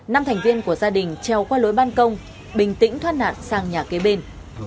năm thành viên của gia đình treo qua lối ban công bình tĩnh thoát nạn sang nhà kế bên